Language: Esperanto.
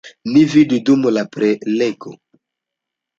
Ni vidu dum la prelego.